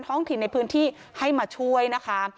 ท้องถิ่นในพื้นที่ให้มาช่วยนะคะ